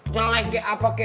jelek kayak apa kek